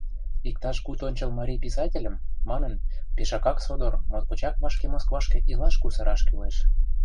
«Иктаж куд ончыл марий писательым, — манын, — пешакак содор, моткочак вашке Москвашке илаш кусараш кӱлеш».